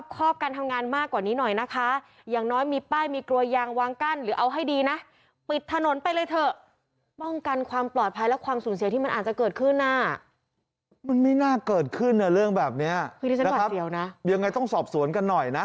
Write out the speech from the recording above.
เอ้ยคันหน้ามารถเรานะคือเขาไม่รู้ว่าเป็นรถเราเหมือนกัน